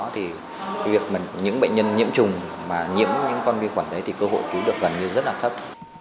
thì việc những bệnh nhân nhiễm trùng mà nhiễm những con vi khuẩn đấy thì cơ hội cứu được gần như rất là thấp